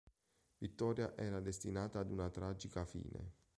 Vittoria era destinata ad una tragica fine.